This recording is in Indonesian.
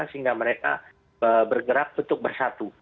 sehingga mereka bergerak untuk bersatu